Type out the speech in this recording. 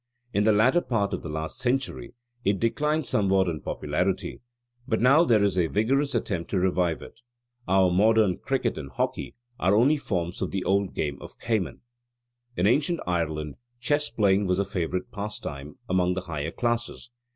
In the latter part of the last century it declined somewhat in popularity; but now there is a vigorous attempt to revive it. Our modern cricket and hockey are only forms of the old game of caman. In ancient Ireland chess playing was a favourite pastime among the higher classes.